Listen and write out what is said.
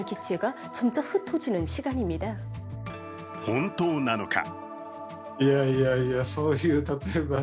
本当なのか？